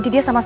ada apa ya